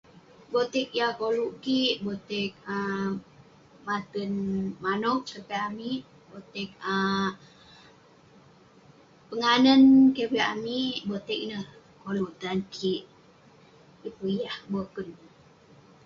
botek yah koluk kik, botek um botek maten manok keh piak amik, botek um penganen keh piak amik, botek ineh koluk tan kik, yeng pun yah boken